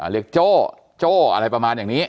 เรียกโจโจอะไรประมาณอย่างนี้